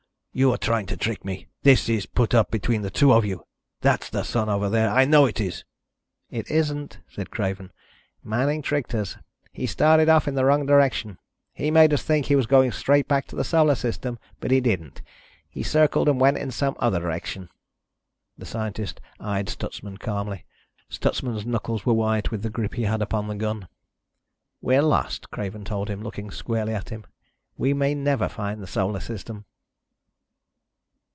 "You are trying to trick me. This is put up between the two of you. That's the Sun over there. I know it is!" "It isn't," said Craven. "Manning tricked us. He started off in the wrong direction. He made us think he was going straight back to the Solar System, but he didn't. He circled and went in some other direction." The scientist eyed Stutsman calmly. Stutsman's knuckles were white with the grip he had upon the gun. "We're lost," Craven told him, looking squarely at him. "We may never find the Solar System!"